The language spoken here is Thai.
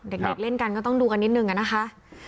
เด็กเล่นกันก็ต้องดูกันนิดนึงอะนะคะ